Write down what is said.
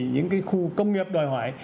những cái khu công nghiệp đòi hỏi